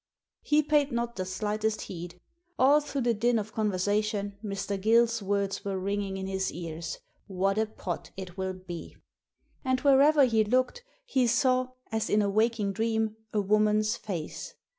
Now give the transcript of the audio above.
He paid not the slightest heed. All through the din of conversation Mr. Gill's words were ringjing in his ears— "What a pot it will be!" And wherever he looked he saw, as in a waking dream, a woman's face.